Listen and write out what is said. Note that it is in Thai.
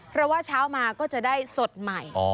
เพราะว่าเช้ามาก็จะได้สดใหม่